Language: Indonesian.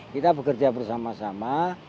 kita bekerja bersama sama